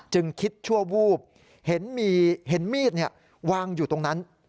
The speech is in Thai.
จึงคิดชั่ววูบเห็นมีดวางอยู่ตรงนั้น